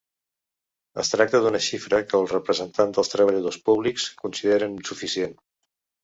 Es tracta d’una xifra que els representants dels treballadors públics consideren insuficient.